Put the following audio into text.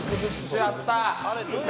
やった！